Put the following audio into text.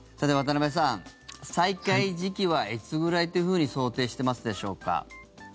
渡部さん、再開時期はいつぐらいというふうに想定していますでしょうか？